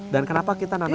dan kenapa kita namanya